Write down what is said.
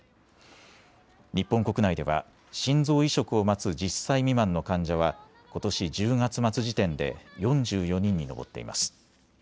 日本国内では心臓移植を待つ１０歳未満の患者はことし１０月末時点で４４人に上っています。